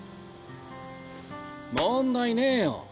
問題ねぇよ。